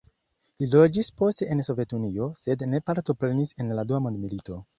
Li loĝis poste en Sovetunio, sed ne partoprenis en la Dua Mondmilito.